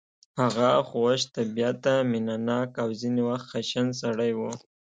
هغه خوش طبیعته مینه ناک او ځینې وخت خشن سړی و